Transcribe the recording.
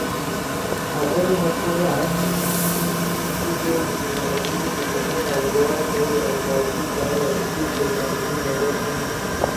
۔ آسئی مقصد ہنی بوٹی دُونئیائی متنوع آوازو عکاسی کارا اسپیچ ٹیکنالوجی مدد تھونو۔